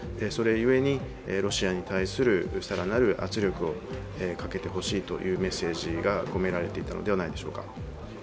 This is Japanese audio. それゆえにロシアに対する更なる圧力をかけてほしいというメッセージが込められていたのではないでしょうか。